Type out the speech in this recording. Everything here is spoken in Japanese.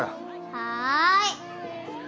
はい！